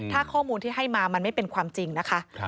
ถ้าข้อมูลที่ให้มามันไม่เป็นความจริงนะคะ